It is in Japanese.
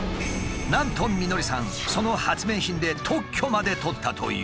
なんと美典さんその発明品で特許まで取ったという。